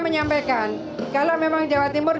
menyampaikan kalau memang jawa timur